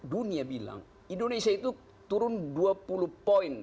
dunia bilang indonesia itu turun dua puluh poin